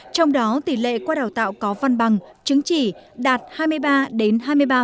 trong đó tỷ lệ qua đào tạo có văn bằng chứng chỉ đạt hai mươi ba đến hai mươi ba